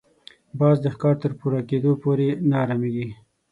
باز د ښکار تر پوره کېدو پورې نه اراميږي